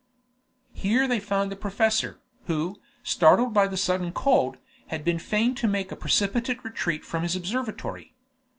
Here they found the professor, who, startled by the sudden cold, had been fain to make a precipitate retreat from his observatory.